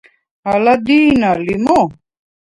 ალა დი̄ნა ლი მო̄?